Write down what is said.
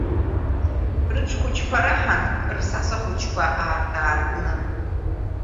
Рыҿ хәыҷқәа раҳан, Рсаса хәыҷқәа аартаартны.